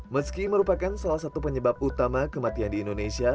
meski merupakan salah satu penyebab utama kematian di indonesia